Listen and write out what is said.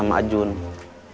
biar gak kejemur terus